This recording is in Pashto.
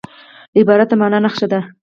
عبارت د مانا نخښه ده.